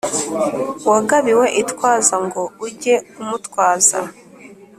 wagabiwe itwaza ngo ujye umutwaza